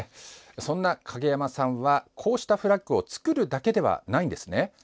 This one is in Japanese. そんな影山さんはこうしたフラッグを作るだけではないんです。